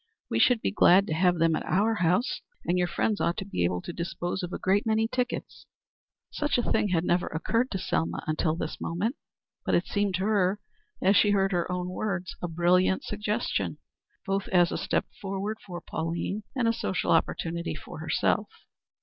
We should be glad to have them at our house, and your friends ought to be able to dispose of a great many tickets." Such a thing had never occurred to Selma until this moment, but it seemed to her, as she heard her own words, a brilliant suggestion, both as a step forward for Pauline and a social opportunity for herself.